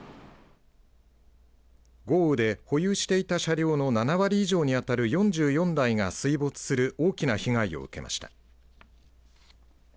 豪雨で、保有していた車両の７割以上に当たる４４台が水没する大きな被害を受けました。